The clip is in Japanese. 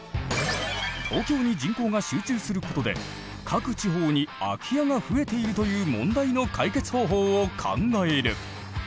東京に人口が集中することで各地方に空き家が増えているという問題の解決方法を考える。